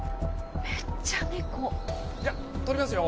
めっちゃ猫！じゃ撮りますよ？